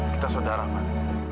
kita saudara taufan